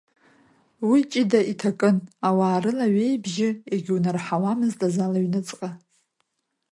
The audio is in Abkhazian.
Уи ҷыда иҭакын, ауаа рылаҩеибжьы егьунарҳауамызт азал аҩныҵҟа.